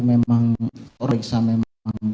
memang periksa memang